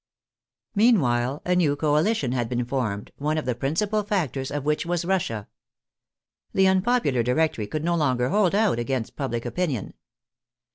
Meanwhile a new coalition had been formed, one of the principal factors of which was Russia. The unpopu lar Directory could no longer hold out against public opinion.